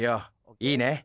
いいね？